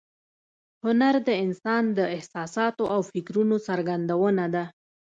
هنر د انسان د احساساتو او فکرونو څرګندونه ده